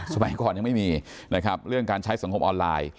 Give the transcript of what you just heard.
สมัยก่อนยังไม่มีนะครับเรื่องการใช้สังคมออนไลน์